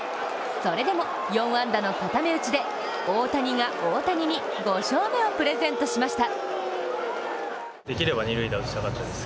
それでも４安打の固め打ちで大谷が大谷に、５勝目をプレゼントしました。